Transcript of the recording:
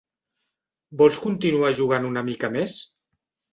Vols continuar jugant una mica més?